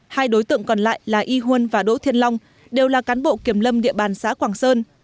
hai đối tượng còn lại là y huân và đỗ thiên long đều là cán bộ kiểm lâm địa bàn xã quảng sơn